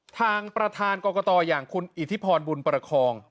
ทางประธานกรกตอย่างคุณอิทธิพรบุญประคอง